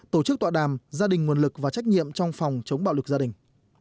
tổ chức tọa đàm gia đình nguồn lực và trách nhiệm trong phòng chống bạo lực gia đình